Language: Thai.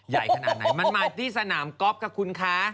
ใหญ่ขนาดไหนมันมาที่สนามก๊อฟค่ะคุณคะ